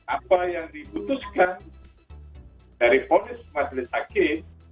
apa yang dibutuhkan dari ponis masjid sakit